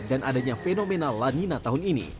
dan adanya fenomena lanina tahun ini